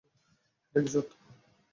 এটা কি সত্য?